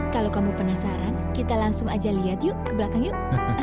kalau kamu penasaran kita langsung aja lihat yuk ke belakang yuk